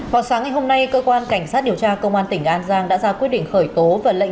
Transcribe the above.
học sáng ngày hôm nay cơ quan cảnh sát điều tra công an tỉnh an giang đã ra quyết định khởi tố